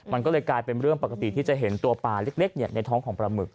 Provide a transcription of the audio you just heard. มันก็เลยกลายเป็นเรื่องปกติที่จะเห็นตัวปลาเล็กในท้องของปลาหมึก